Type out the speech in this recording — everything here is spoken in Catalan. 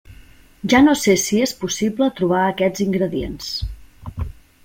Ja no sé si és possible trobar aquests ingredients.